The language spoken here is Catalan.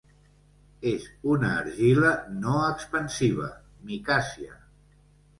És una argila no expansiva, micàcia.